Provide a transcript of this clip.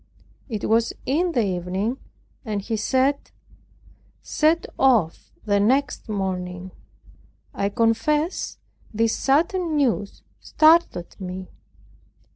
It was in the evening, and he said, "set off the next morning." I confess this sudden news startled me.